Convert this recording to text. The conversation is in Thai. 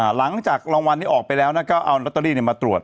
หลังจากรางวัลนี้ออกไปแล้วก็เอาลอตเตอรี่มาตรวจ